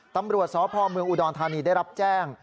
ตำรวจสพเมืองอุดรธานีได้รับแจ้ง